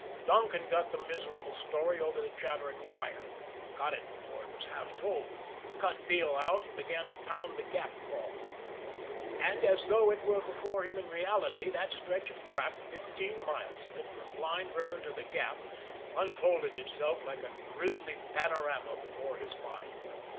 Donkin got the miserable story over the chattering wire got it before it was half told cut Beale out and began to pound the Gap call. And as though it were before him in reality, that stretch of track, fifteen miles of it, from Blind River to the Gap, unfolded itself like a grisly panorama before his mind.